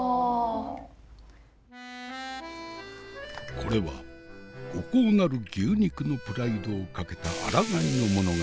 これは孤高なる牛肉のプライドをかけたあらがいの物語。